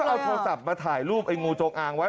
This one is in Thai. เค้าก็เอาโทรศัพท์มาถ่ายรูปไอ้งูโจ๊กอางไว้